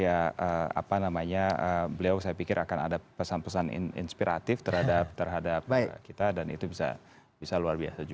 ya apa namanya beliau saya pikir akan ada pesan pesan inspiratif terhadap kita dan itu bisa luar biasa juga